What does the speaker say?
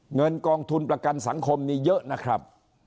เงินกองทุนประกันสังคมนี้เยอะนะครับ